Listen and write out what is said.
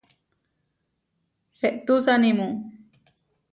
Eʼtusanimu.